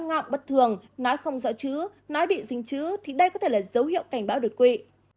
nói không rõ chứ nói bị dính chứ thì đây có thể là dấu hiệu cảnh báo đột quỵ